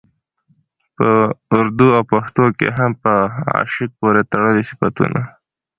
په اردو او پښتو کې هم په عاشق پورې تړلي صفتونه